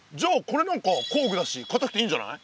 これなんか工具だし硬くていいんじゃない？